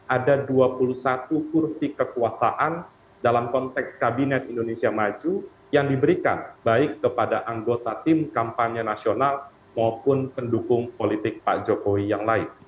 ada dua puluh satu kursi kekuasaan dalam konteks kabinet indonesia maju yang diberikan baik kepada anggota tim kampanye nasional maupun pendukung politik pak jokowi yang lain